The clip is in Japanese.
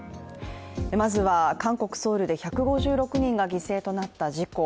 まずは韓国・ソウルで１５６人が犠牲となった事故。